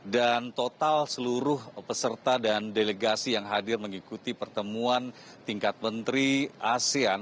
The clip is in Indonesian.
dan total seluruh peserta dan delegasi yang hadir mengikuti pertemuan tingkat menteri asean